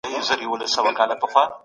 تاسي تل د خپلي کورنۍ خیال ساتئ.